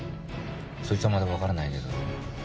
そいつはまだわからないけど。